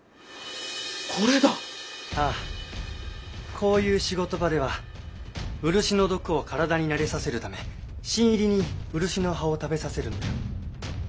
こういう仕事場では漆の毒を体に慣れさせるため新入りに漆の葉を食べさせるんだよ。